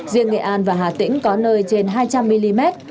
riêng nghệ an và hà tĩnh có nơi trên hai trăm linh mm